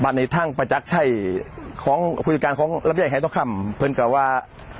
มานี้ทางประจักรช่ายของคุณการของรับไหรต๊อก่ำเพื่อนก่อว่า